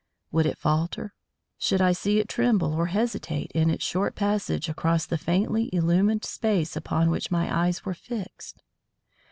Would it falter? Should I see it tremble or hesitate in its short passage across the faintly illumined space upon which my eyes were fixed?